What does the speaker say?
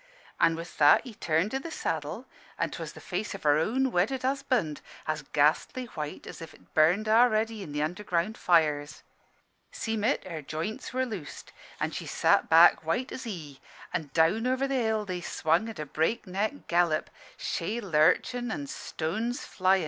"An' with that he turned i' the saddle; an' 'twas the face o' her own wedded husband, as ghastly white as if 't burned a'ready i' the underground fires. "Seem' it, her joints were loosed, an' she sat back white as he; an' down over the hill they swung at a breakneck gallop, shay lurchin' and stones flyin'.